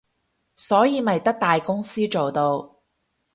所以咪得大公司做到